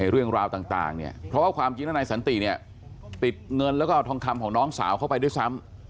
เรื่องราวต่างเนี่ยเพราะว่าความจริงแล้วนายสันติเนี่ยติดเงินแล้วก็เอาทองคำของน้องสาวเข้าไปด้วยซ้ำ